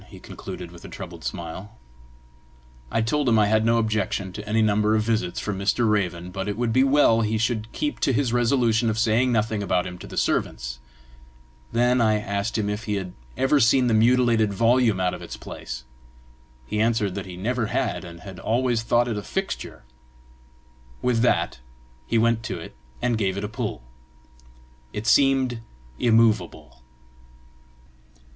he concluded, with a troubled smile. I told him I had no objection to any number of visits from Mr. Raven, but it would be well he should keep to his resolution of saying nothing about him to the servants. Then I asked him if he had ever seen the mutilated volume out of its place; he answered that he never had, and had always thought it a fixture. With that he went to it, and gave it a pull: it seemed immovable.